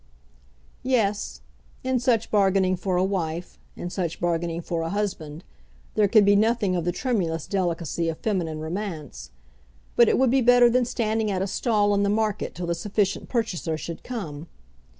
Yes; in such bargaining for a wife, in such bargaining for a husband, there could be nothing of the tremulous delicacy of feminine romance; but it would be better than standing at a stall in the market till the sufficient purchaser should come.